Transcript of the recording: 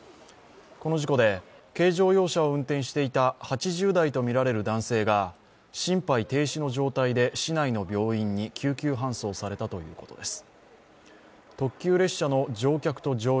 この事故で軽乗用車を運転していた８０代とみられる男性が心肺停止の状態で市内の病院に救急搬送されたということです。